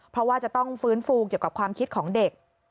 เพราะว่าจะต้องฟื้นฟูเกี่ยวกับความคิดของเด็ก